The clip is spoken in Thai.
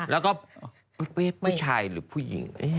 แล้วก็ผู้ชายหรือผู้หญิง